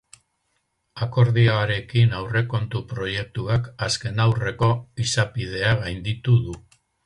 Akordioarekin aurrekontu proiektuak azken-aurreko izapidea gainditu du.